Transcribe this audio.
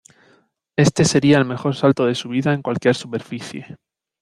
Este sería el mejor salto de su vida en cualquier superficie.